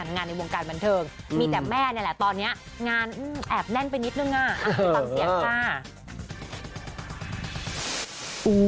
งานในวงการบันเทิงมีแต่แม่นี่แหละตอนนี้งานแอบแน่นไปนิดนึงอ่ะไปฟังเสียงค่ะ